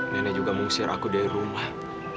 nenek juga mengusir aku dari rumah